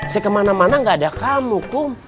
saya kemana mana nggak ada kamu kum